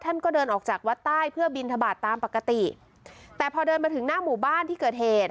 ท่านก็เดินออกจากวัดใต้เพื่อบินทบาทตามปกติแต่พอเดินมาถึงหน้าหมู่บ้านที่เกิดเหตุ